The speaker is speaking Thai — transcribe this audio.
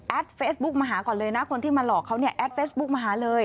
แอดเฟซบุ๊กมาหาก่อนเลยนะ